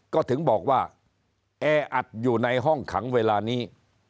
ก็ถึงบอกว่าแออัดอยู่ในห้องขังเวลานี้